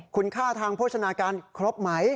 คุณค่าทางโภชนาการครบไหม